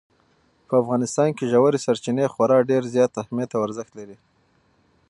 په افغانستان کې ژورې سرچینې خورا ډېر زیات اهمیت او ارزښت لري.